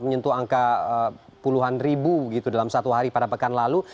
menyentuh angka puluhan ribu gitu dalam satu hari pada pekan lalu